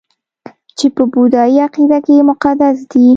چې په بودايي عقیده کې مقدس دي